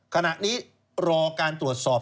ขณะนี้รอการตรวจสอบ